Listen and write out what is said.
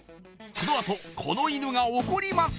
このあとこの犬が怒ります